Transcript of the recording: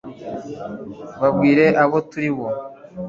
babwire abo turi bo